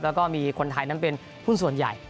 แล้วก็มีคนไทยนั้นเป็นหุ้นส่วนใหญ่